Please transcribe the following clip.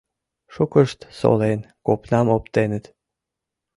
Шукышт, солен, копнам оптеныт.